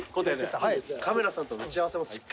カメラさんと打ち合わせをしっかり。